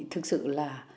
thực sự là